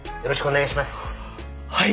はい！